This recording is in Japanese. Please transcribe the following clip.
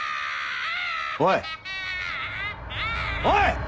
おい。